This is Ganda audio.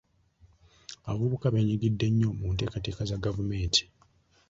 Abavubuka beenyigidde nnyo mu nteekateeka za gavumenti.